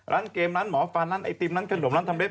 ร้านเกมร้านหมอฟันร้านไอตีมร้านกระดนดมร้านทำเล่บ